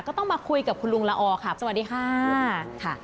ก็ต้องมาคุยกับคุณลุงละออค่ะสวัสดีค่ะ